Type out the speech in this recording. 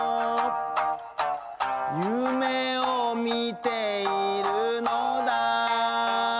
「ゆめをみてゐるのだ」